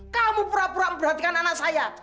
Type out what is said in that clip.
kamu pura pura memperhatikan anak saya